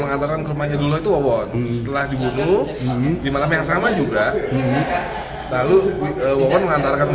mengantarkan ke rumahnya dulu itu setelah dibunuh di malam yang sama juga lalu mengantarkan